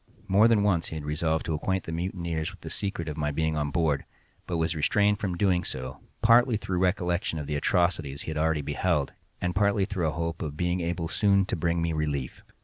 More than once he had resolved to acquaint the mutineers with the secret of my being on board, but was restrained from so doing, partly through recollection of the atrocities he had already beheld, and partly through a hope of being able soon to bring me relief.